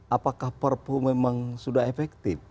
apakah perpu memang sudah efektif